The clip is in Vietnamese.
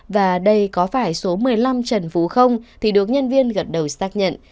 và đây có phải số một mươi năm trần phú không thì được nhân viên gần đầu xác nhận